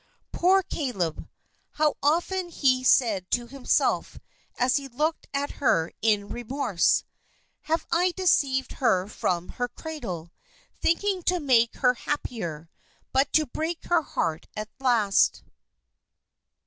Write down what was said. Poor Caleb! How often he said to himself as he looked at her, in remorse, "Have I deceived her from her cradle, thinking to make her happier, but to break her heart at last?"